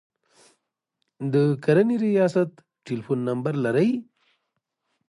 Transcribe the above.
د کرنې ریاست ټلیفون نمبر لرئ؟